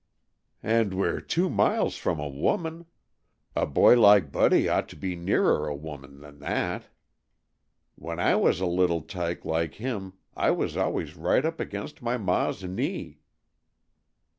"And we 're two miles from a woman. A boy like Buddy ought to be nearer a woman than that. When I was a little tyke like him I was always right up against my ma's knee."